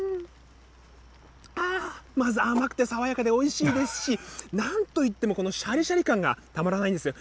あー、まず甘くて爽やかでおいしいですし、なんといっても、このしゃりしゃり感がたまらないんですよ。